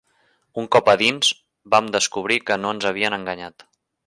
Un cop a dins, vam descobrir que no ens havien enganyat